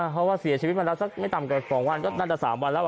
เพราะว่าเสียชีวิตมาไม่ต่ำกว่าสองวันก็น่าจะสามวันแล้ว